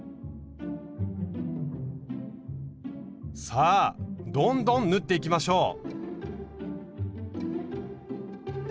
さあどんどん縫っていきましょう！